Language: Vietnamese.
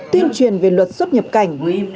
tuyên truyền về luật xuất nhập cảnh